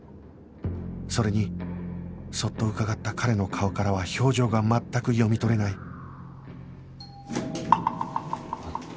それにそっとうかがった彼の顔からは表情が全く読み取れない